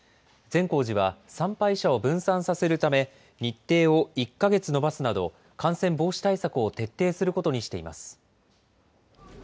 善光寺は参拝者を分散させるため、日程を１か月延ばすなど、感染防止対策を徹底することにしています。